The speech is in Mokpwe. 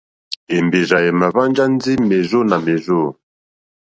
Èmbèrzà èmà hwánjá ndí mèrzó nà mèrzô.